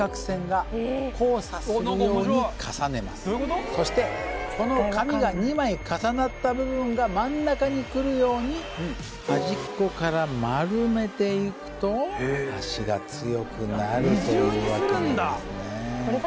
そしてそしてこの紙が２枚重なった部分が真ん中にくるように端っこから丸めていくと橋が強くなるというわけなんですね